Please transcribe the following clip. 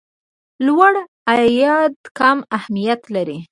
لوړ عاید کم اهميت لري.